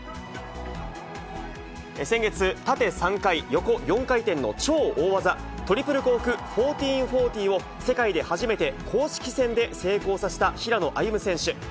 先月、縦３回横４回転の超大技、トリプルコーク１４４０を世界で初めて公式戦で成功させた平野歩夢選手。